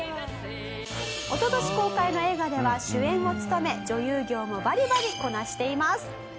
「一昨年公開の映画では主演を務め女優業もバリバリこなしています」